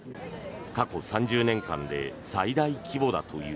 過去３０年間で最大規模だという。